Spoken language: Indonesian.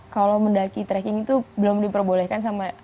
kalau mendaki trekking itu belum diperbolehkan sama orang tua